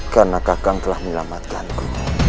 karena kakak telah menyelamatkan ku